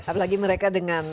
apalagi mereka dengan